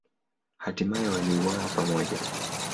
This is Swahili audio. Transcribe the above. Hatimaye waliuawa pamoja.